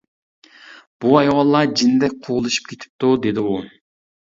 بۇ ھايۋانلار جىندەك قۇۋلىشىپ كېتىپتۇ، -دېدى ئۇ.